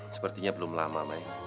sepertinya belum lama